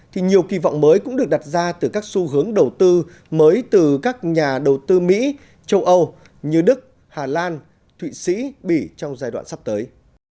thì nhiều kỳ vọng mới cũng được đặt ra từ các xu hướng đầu tư mới từ các nhà đầu tư mỹ châu âu như đức hà lan thụy sĩ bỉ trong giai đoạn sắp tới